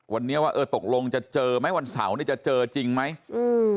วันนี้ว่าเออตกลงจะเจอไหมวันเสาร์เนี่ยจะเจอจริงไหมอืม